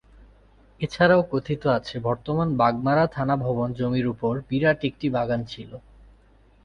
এছাড়াও কথিত আছে বর্তমান বাগমারা থানা ভবন জমির উপর বিরাট একটি বাগান ছিল।